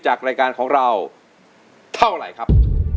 จากรายการของเราเท่าไหร่ครับ